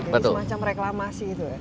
jadi semacam reklamasi itu ya